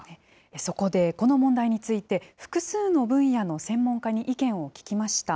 そこでこの問題について、複数の分野の専門家に意見を聞きました。